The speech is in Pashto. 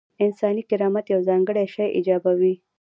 انساني کرامت یو ځانګړی شی ایجابوي.